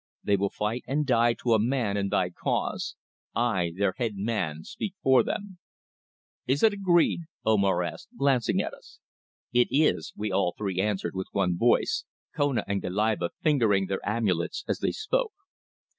They will fight and die to a man in thy cause. I, their head man, speak for them." "Is it agreed?" asked Omar, glancing at us. "It is," we all three answered with one voice, Kona and Goliba fingering their amulets as they spoke.